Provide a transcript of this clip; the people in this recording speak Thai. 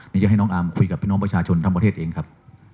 นี่จะให้น้องอาร์มคุยกับพี่น้องประชาชนทั้งประเทศเองครับ